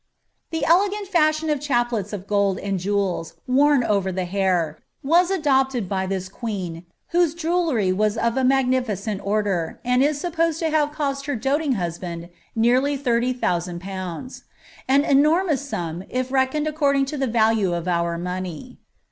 The elegant fashion of chaplets of gold and jewels, worn over the hair, was aidopted by this queen, whose jewellery was of a magnificent order, and is supposed to have cost her doting husband nearly 30,000/. ; an enormous sum if reckoned according to the value of our money.